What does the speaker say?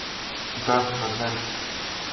Да, на земљи!